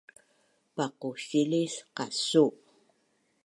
paqusilis qasu